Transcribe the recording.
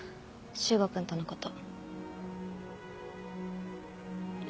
修吾君とのこと。